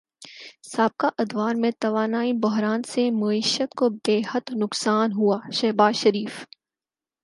سابقہ ادوار میں توانائی بحران سے معیشت کو بیحد نقصان ہوا شہباز شریف